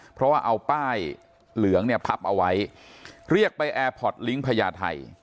เพราะว่าเอาป้ายเหลืองเนี่ยพับเอาไว้เรียกไปแอร์พอร์ตลิงก์พญาไทย